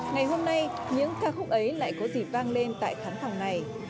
ngày hôm nay những ca khúc ấy lại có dịp vang lên tại khán phòng này